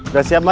udah siap mak